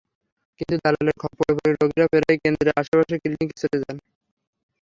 কিন্তু দালালের খপ্পরে পড়ে রোগীরা প্রায়ই কেন্দ্রের আশপাশের ক্লিনিকে চলে যান।